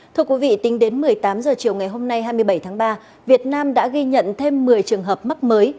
thưa quý vị tính đến một mươi tám h chiều ngày hôm nay hai mươi bảy tháng ba việt nam đã ghi nhận thêm một mươi trường hợp mắc mới